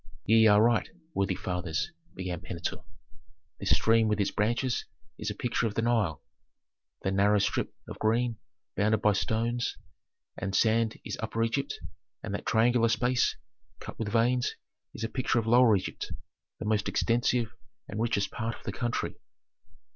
"Ye are right, worthy fathers," began Pentuer: "this stream with its branches is a picture of the Nile; the narrow strip of green bounded by stones and sand is Upper Egypt, and that triangular space, cut with veins, is a picture of Lower Egypt, the most extensive and richest part of the country.